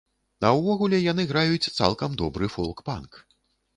А ўвогуле яны граюць цалкам добры фолк-панк.